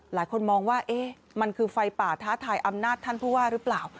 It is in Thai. หลายคนมองว่ามันคือไฟป่าท้าทายอำนาจท่านผู้ว่าหรือเปล่า